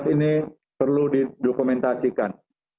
sembilan belas ini perlu didokumentasikan